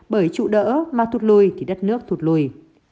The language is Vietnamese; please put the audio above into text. bởi trụ đỡ mà thuộc lùi thì đất nước thuộc lùi